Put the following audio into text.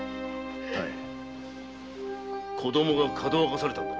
子供がかどわかされたんだな？